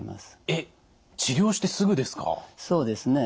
えっ治療してすぐですか？